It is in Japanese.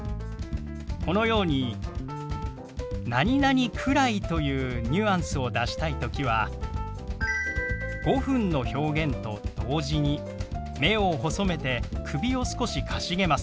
このように「くらい」というニュアンスを出したい時は「５分」の表現と同時に目を細めて首を少しかしげます。